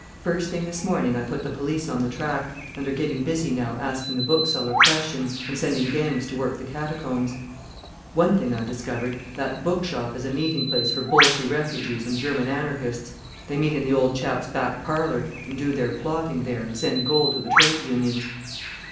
First thing this morning I put the police on the track, and they're getting busy now asking the bookseller questions and sending gangs to work the catacombs. One thing I've discovered; that book shop is a meeting place for Bolshie refugees and German anarchists. They meet in the old chap's back parlour and do their plotting there and send gold to the trade unions."